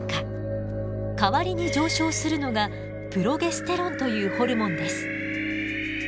代わりに上昇するのがプロゲステロンというホルモンです。